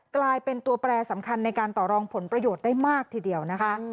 กลายเป็นตัวแปรสำคัญในการต่อรองผลประโยชน์ได้มากทีเดียวนะคะ